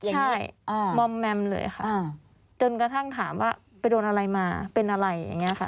ใช่มอมแมมเลยค่ะจนกระทั่งถามว่าไปโดนอะไรมาเป็นอะไรอย่างนี้ค่ะ